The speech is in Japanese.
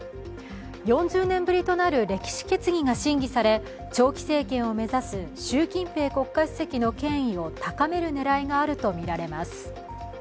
４０年ぶりとなる歴史決議が審議され、長期政権を目指す習近平国家主席の権威を高める狙いがあるとみられます。